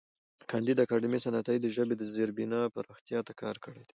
کانديد اکاډميسن عطايي د ژبې د زېربنا پراختیا ته کار کړی دی.